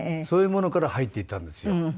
そういうものから入っていったんですよ。